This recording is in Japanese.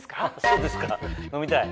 そうですか飲みたい？